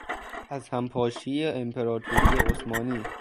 از هم پاشی امپراطوری عثمانی